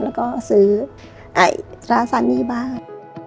แล้วก็ซื้อตราซานี่บ้าง